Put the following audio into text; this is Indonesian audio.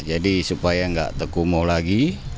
jadi supaya tidak tekumuh lagi